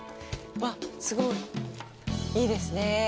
うわっ、すごい！いいですねぇ。